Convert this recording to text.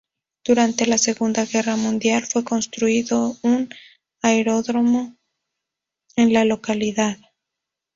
Durante la Segunda Guerra Mundial fue construido un aeródromo en la localidad.